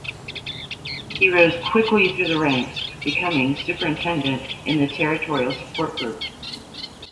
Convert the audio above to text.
He rose quickly through the ranks, becoming Superintendent in the Territorial Support Group.